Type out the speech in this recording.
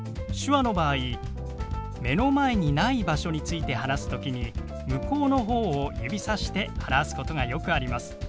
手話の場合目の前にない場所について話す時に向こうの方を指さして表すことがよくあります。